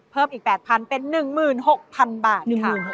เพิ่มอีก๘๐๐เป็น๑๖๐๐๐บาท